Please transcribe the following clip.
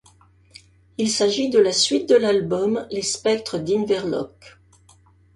Il s'agit de la suite de l'album Les Spectres d'Inverloch.